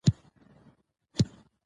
د کولمو مایکروبونه د انرژۍ تولید زیاتوي.